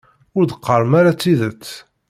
Ur d-qqarem ara tidet.